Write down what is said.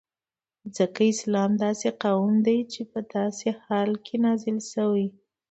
ځکه اسلام داسی قوم ته په داسی حال کی نازل سوی